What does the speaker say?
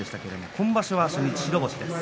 今場所は初日、白星です。